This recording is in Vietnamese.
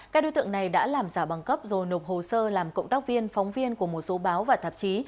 các đối tượng này đã làm giả băng cấp rồi nộp hồ sơ làm cộng tác viên phóng viên của một số báo và tạp chí